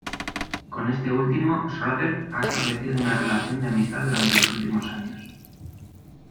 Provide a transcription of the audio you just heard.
Con este último, Schröder ha establecido una relación de amistad durante los últimos años.